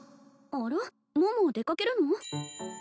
あら桃出かけるの？